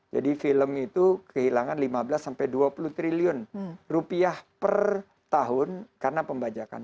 jadi film itu kehilangan lima belas sampai dua puluh triliun rupiah per tahun karena pembajakan